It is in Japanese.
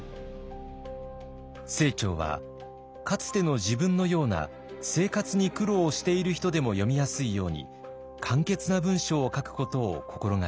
清張はかつての自分のような生活に苦労をしている人でも読みやすいように簡潔な文章を書くことを心掛けました。